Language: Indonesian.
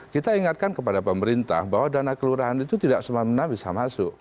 kita ingatkan kepada pemerintah bahwa dana kelurahan itu tidak semena bisa masuk